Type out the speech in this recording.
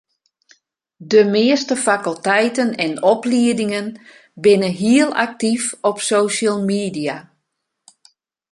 De measte fakulteiten en opliedingen binne hiel aktyf op social media.